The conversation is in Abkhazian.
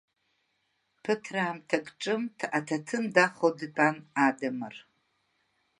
Ԥыҭраамҭак ҿымҭ, аҭаҭын дахо дтәан Адамыр.